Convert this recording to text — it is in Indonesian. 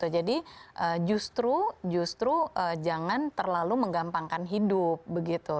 jadi justru jangan terlalu menggampangkan hidup begitu